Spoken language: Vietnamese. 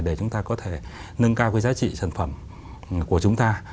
để chúng ta có thể nâng cao cái giá trị sản phẩm của chúng ta